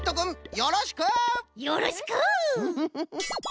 よろしく！